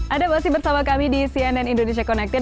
anda masih bersama kami di cnn indonesia connected